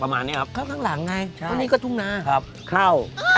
ประมาณนี้ครับเข้าข้างหลังไงเพราะนี่ก็ทุ่งนาครับเข้า